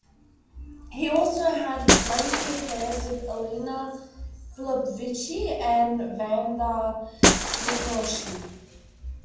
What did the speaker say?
He also had lengthy affairs with Elena Filipovici and Vanda Nicolschi.